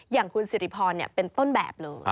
อย่างคุณสิริพรเป็นต้นแบบเลย